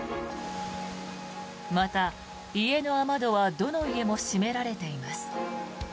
また、家の雨戸はどの家も閉められています。